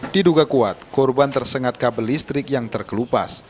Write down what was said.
diduga kuat korban tersengat kabel listrik yang terkelupas